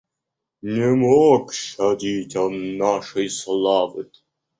Не мог щадить он нашей славы